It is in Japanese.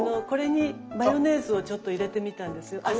これにマヨネーズをちょっと入れてみたんですよ。